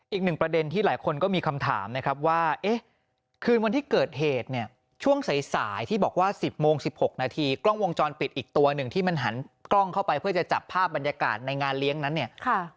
อีกหนึ่งประเด็นที่หลายคนก็มีคำถามนะครับว่าเอ๊ะคืนวันที่เกิดเหตุเนี่ยช่วงสายที่บอกว่า๑๐โมง๑๖นาทีกล้องวงจรปิดอีกตัวหนึ่งที่มันหันกล้องเข้าไปเพื่อจะจับภาพบรรยากาศในงานเลี้ยงนั้นเนี่ย